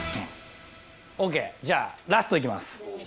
オーケーじゃあラストいきます。